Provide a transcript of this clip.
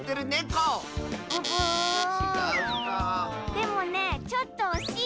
でもねちょっとおしい。